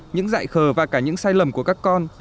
những dại khờ và cả những sai lầm của các con